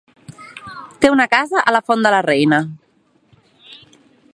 Té una casa a la Font de la Reina.